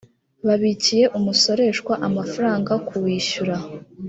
babikiye umusoreshwa amafaranga kuwishyura